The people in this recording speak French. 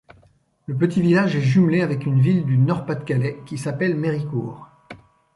Le petit village est jumelé avec une ville du Nord-Pas-de-Calais qui s'appelle Méricourt.